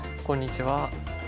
こんにちは。